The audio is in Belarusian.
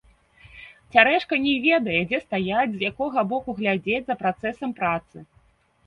Цярэшка не ведае, дзе стаяць, з якога боку глядзець за працэсам працы.